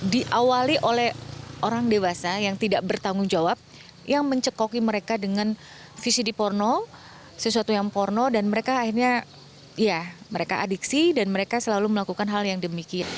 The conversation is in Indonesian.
diawali oleh orang dewasa yang tidak bertanggung jawab yang mencekoki mereka dengan visi di porno sesuatu yang porno dan mereka akhirnya ya mereka adiksi dan mereka selalu melakukan hal yang demikian